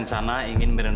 saya missnya dulu